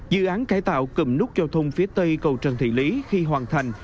dự án cải tạo cầm nút giao thông phía tây cầu trần thị lý khi hoàn thành